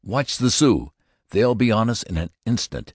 Watch the Sioux! They'll be on us in an instant!"